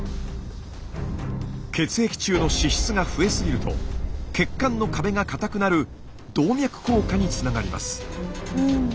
血液中の脂質が増えすぎると血管の壁が硬くなる動脈硬化につながります。